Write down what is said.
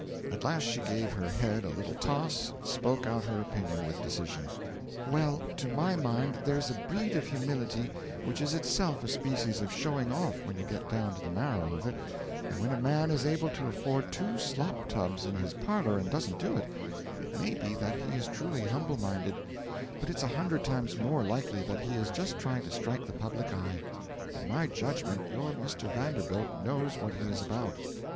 At last she gave her head a little toss and spoke out her opinion with decision: 'Well, to my mind there's a breed of humility which is itself a species of showing off when you get down to the marrow of it; and when a man is able to afford two slop tubs in his parlour, and doesn't do it, it may be that he is truly humble minded, but it's a hundred times more likely that he is just trying to strike the public eye. In my judgment, your Mr. Vanderbilt knows what he is about.'